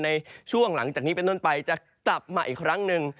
ในช่วงหลังจากนี้เป็นต้นไปจะกลับมาอีกครั้งหนึ่ง